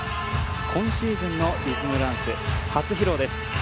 今シーズンのリズムダンス初披露です